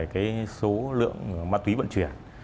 cái số lượng ma túy vận chuyển